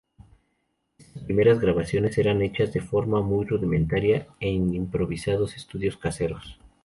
Estas primeras grabaciones eran hechas de forma muy rudimentaria en improvisados estudios caseros.